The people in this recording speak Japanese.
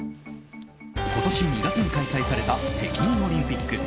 今年２月に開催された北京オリンピック。